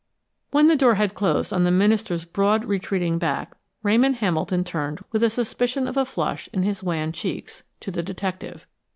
When the door had closed on the minister's broad, retreating back, Ramon Hamilton turned with a suspicion of a flush in his wan cheeks, to the detective.